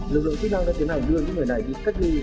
lực lượng chức năng đã tiến hành đưa những người này đi cách ly